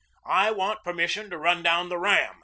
"I want permission to run down the ram!"